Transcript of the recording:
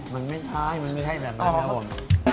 มันไม่ใช่มันไม่ค่อยแน่นอน